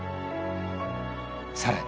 さらに。